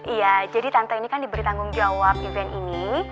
iya jadi tante ini kan diberi tanggung jawab event ini